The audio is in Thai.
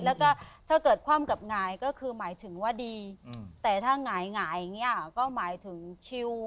แล้วก็ถ้าเกิดคว่ำกับหงายก็คือหมายถึงว่าดีแต่ถ้าหงายอย่างนี้ก็หมายถึงชิว